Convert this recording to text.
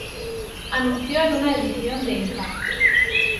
Anunció en una edición de "Impact!